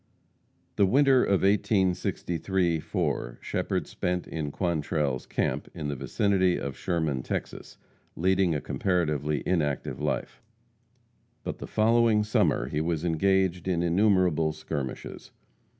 The winter of 1863 4, Shepherd spent in Quantrell's camp, in the vicinity of Sherman, Texas, leading a comparatively inactive life; but the following summer he was engaged in innumerable skirmishes.